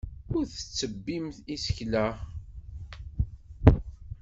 Ur tettebbim isekla.